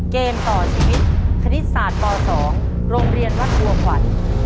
เกมต่อชีวิตคณิตศาสตร์ป๒โรงเรียนวัดบัวขวัญ